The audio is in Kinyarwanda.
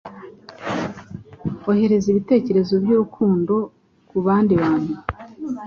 Ohereza ibitekerezo by’urukundo ku bandi bantu.